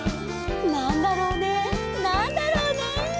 「なんだろうねなんだろうね」